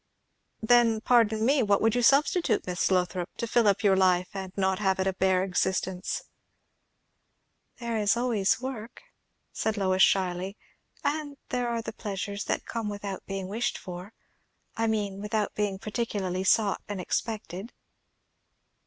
"Then, pardon me, what would you substitute, Miss Lothrop, to fill up your life, and not have it a bare existence?" "There is always work " said Lois shyly; "and there are the pleasures that come without being wished for. I mean, without being particularly sought and expected."